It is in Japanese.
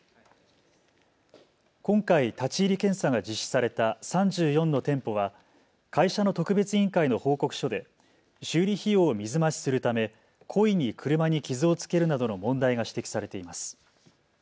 今回立ち入り検査が実施された３４の店舗は会社の特別委員会の報告書で修理費用を水増しするため故意に車に傷をつけるなどの問題が指摘されています。